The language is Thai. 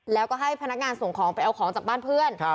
แล้วก็ให้พนักงานส่งของไปเอาของจากบ้านเพื่อน